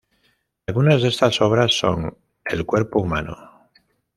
Algunas de estas obras son: "El cuerpo humano.